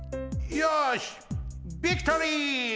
よしビクトリー！